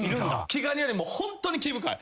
毛ガニよりもホントに毛深い。